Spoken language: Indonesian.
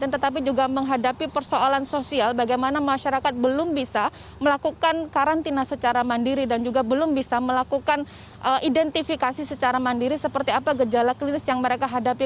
tetapi juga menghadapi persoalan sosial bagaimana masyarakat belum bisa melakukan karantina secara mandiri dan juga belum bisa melakukan identifikasi secara mandiri seperti apa gejala klinis yang mereka hadapi